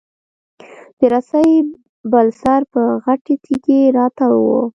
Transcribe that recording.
د رسۍ بل سر په غټې تېږي راتاو و.